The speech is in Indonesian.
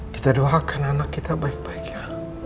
kita doakan anak kita baik baik